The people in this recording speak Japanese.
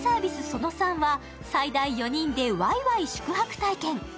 その３は最大４人でわいわい宿泊体験。